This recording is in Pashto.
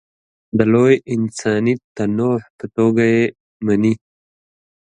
د لوی انساني تنوع په توګه یې مني.